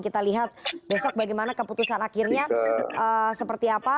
kita lihat besok bagaimana keputusan akhirnya seperti apa